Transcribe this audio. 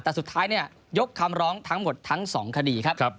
แต่สุดท้ายเนี่ยยกคำร้องทั้งหมดทั้ง๒คดีครับ